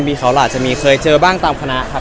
มีครับจะมีเก่ามากต่างครับ